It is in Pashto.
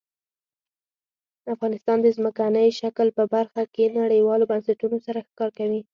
افغانستان د ځمکنی شکل په برخه کې نړیوالو بنسټونو سره کار کوي.